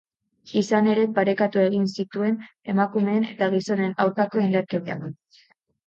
Izan ere, parekatu egin zituen emakumeen eta gizonen aurkako indarkeriak.